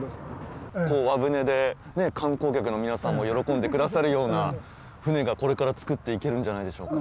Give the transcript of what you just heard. こう和船で観光客の皆さんも喜んでくださるような船がこれから作っていけるんじゃないでしょうか。